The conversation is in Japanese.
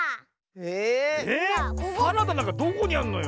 ええっ⁉サラダなんかどこにあんのよ？